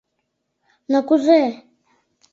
Но кузе?..»